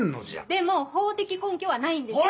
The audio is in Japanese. でも法的根拠はないんです。